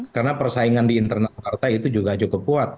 karena persaingan di internal jakarta itu juga cukup kuat